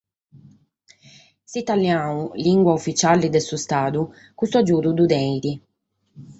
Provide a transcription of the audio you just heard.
S’italianu, lìngua ufitziale de s’Istadu, custu agiudu ddu tenet.